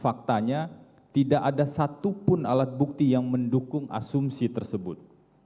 faktanya tidak ada satupun alat bukti yang mendukung asumsi tersebut